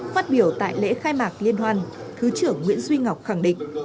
phát biểu tại lễ khai mạc liên hoan thứ trưởng nguyễn duy ngọc khẳng định